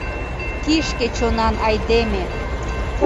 Кишке чонан айдеме!